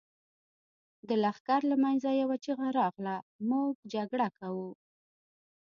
د لښکر له مينځه يوه چيغه راغله! موږ جګړه کوو.